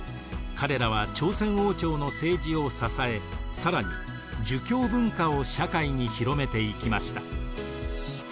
彼らは朝鮮王朝の政治を支え更に儒教文化を社会に広めていきました。